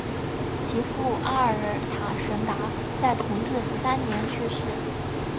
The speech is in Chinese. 其父阿尔塔什达在同治十三年去世。